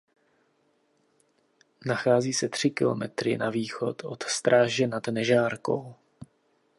Nachází se tři kilometry na východ od Stráže nad Nežárkou.